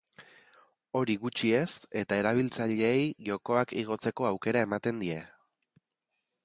Hori gutxi ez, eta erabiltzaileei jokoak igotzeko aukera ematen die.